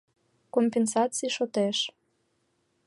— Компенсаций шотеш.